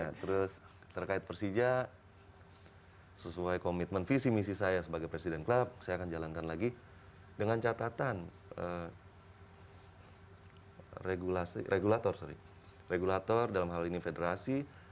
ya terus terkait persija sesuai komitmen visi misi saya sebagai presiden klub saya akan jalankan lagi dengan catatan regulator sorry regulator dalam hal ini federasi